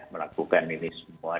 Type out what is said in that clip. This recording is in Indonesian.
melakukan ini semua